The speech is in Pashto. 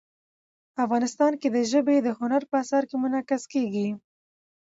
افغانستان کې ژبې د هنر په اثار کې منعکس کېږي.